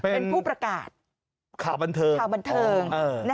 เป็นภูมิประกาศตั้งสติชาวบรรเทิง